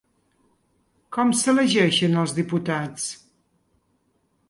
Com s’elegeixen els diputats?